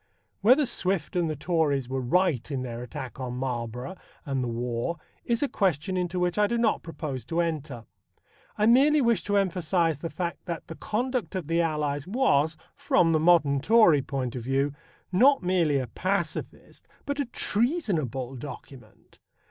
Whether Swift and the Tories were right in their attack on Marlborough and the war is a question into which I do not propose to enter. I merely wish to emphasize the fact that The Conduct of the Allies was, from the modern Tory point of view, not merely a pacifist, but a treasonable, document.